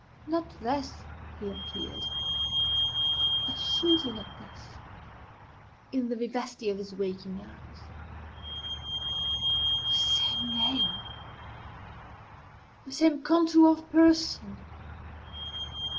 Not thus he appeared assuredly not thus in the vivacity of his waking hours. The same name! the same contour of person!